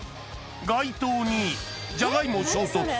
街灯にジャガイモ衝突？